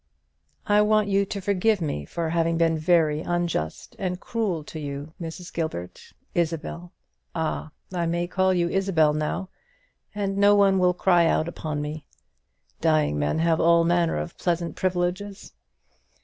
"I want you to forgive me for having been very unjust and cruel to you, Mrs. Gilbert Isabel. Ah, I may call you Isabel now, and no one will cry out upon me! Dying men have all manner of pleasant privileges.